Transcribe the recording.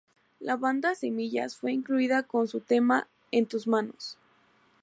La banda Semillas fue incluida con su tema "En tus manos".